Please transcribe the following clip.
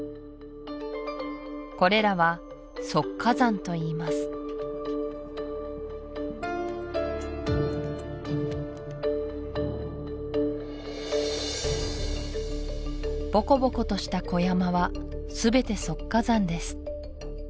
これらは側火山といいますぼこぼことした小山は全て側火山です